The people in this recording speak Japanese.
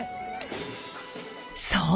そう！